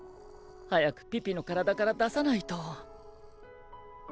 早くピピの体から出さないと。